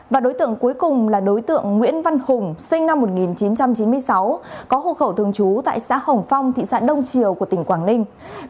và đối tượng cuối cùng là đối tượng nguyễn văn hùng sinh năm một nghìn chín trăm chín mươi sáu có hộ khẩu thường trú tại xã hồng phong thị xã đông triều của tỉnh quảng ninh